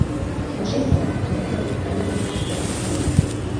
Hauxe izan da haren obrarik adierazgarriena eta ezagunena.